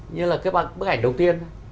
như là cái bức ảnh đầu tiên